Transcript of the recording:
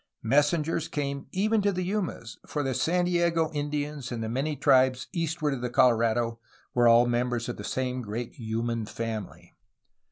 Messengers came even to the Yumas, for the San Diego Indians and the many tribes eastward to the Colorado were all members of the same great Yuman family.